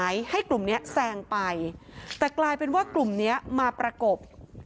ให้กลุ่มเนี้ยแซงไปแต่กลายเป็นว่ากลุ่มเนี้ยมาประกบ